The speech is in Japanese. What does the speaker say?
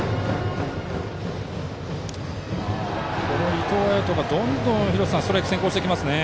伊藤がどんどんストライクを先行してきますね。